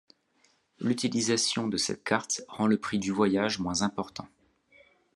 L'utilisation de cette carte rend le prix du voyage moins important.